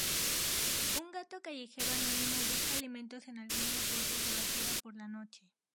Un gato callejero anónimo busca alimentos en algunos botes de basura por la noche.